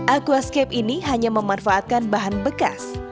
aquascape ini hanya memanfaatkan bahan bekas